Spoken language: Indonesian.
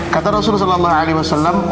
kata rasulullah saw